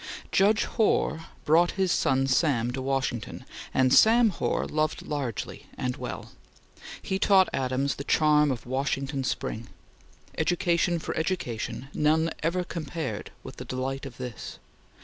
Judge Hoar brought his son Sam to Washington, and Sam Hoar loved largely and well. He taught Adams the charm of Washington spring. Education for education, none ever compared with the delight of this.